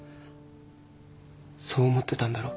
そう思ってたんだろ？